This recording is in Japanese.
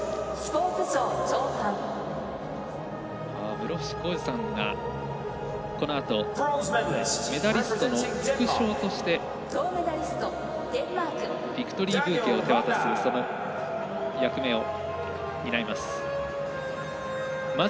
室伏広治さんがこのあとメダリストの副賞としてビクトリーブーケを手渡す役目を担います。